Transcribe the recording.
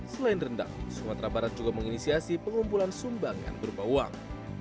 selain rendang sumatera barat juga menginisiasi pengumpulan sumbangan berupa uang